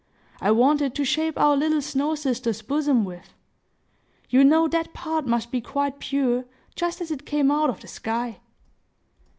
I want it to shape our little snow sister's bosom with. You know that part must be quite pure, just as it came out of the sky!"